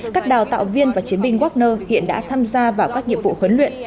các đào tạo viên và chiến binh wagner hiện đã tham gia vào các nghiệp vụ huấn luyện